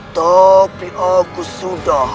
tapi aku sudah